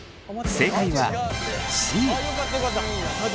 正解はＣ。